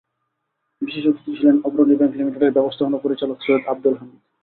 বিশেষ অতিথি ছিলেন অগ্রণী ব্যাংক লিমিটেডের ব্যবস্থাপনা পরিচালক সৈয়দ আবদুল হামিদ।